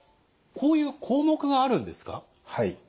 こういう項目があるんですか？